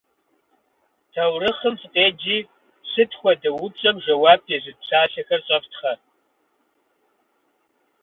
Таурыхъым фыкъеджи, «сыт хуэдэ?» упщӏэм жэуап езыт псалъэхэр щӏэфтхъэ.